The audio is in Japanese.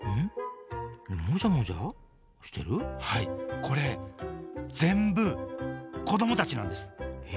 これ全部子どもたちなんですえ！